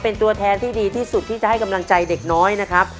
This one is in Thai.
เป็นตัวแทนที่ดีที่สุดที่จะให้กำลังใจเด็กน้อยนะครับ